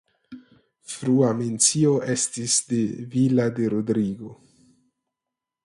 Frua mencio estis de Villa de Rodrigo.